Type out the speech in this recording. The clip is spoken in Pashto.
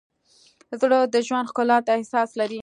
زړه د ژوند ښکلا ته احساس لري.